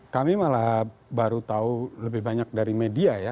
kami malah baru tahu lebih banyak dari media ya